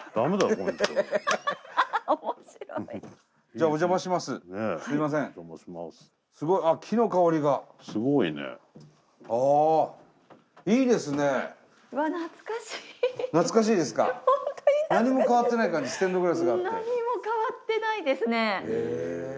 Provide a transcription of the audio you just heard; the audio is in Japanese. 全く変わってないですね。